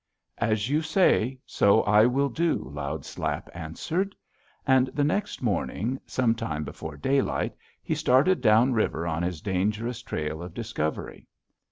"'As you say, so I will do,' Loud Slap answered. "And the next morning, some time before daylight, he started down river on his dangerous trail of discovery.